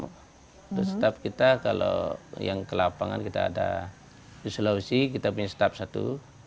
untuk staff kita kalau yang ke lapangan kita ada di sulawesi kita punya staff satu